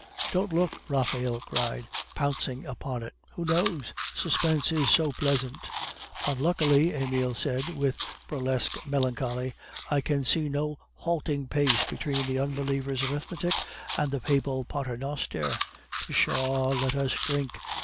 "Don't look!" Raphael cried, pouncing upon it. "Who knows? Suspense is so pleasant." "Unluckily," Emile said, with burlesque melancholy, "I can see no halting place between the unbeliever's arithmetic and the papal Pater noster. Pshaw! let us drink.